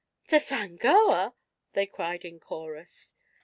"To Sangoa!" they cried in chorus.